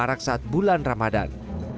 ada empat kejahatan yang biasanya marah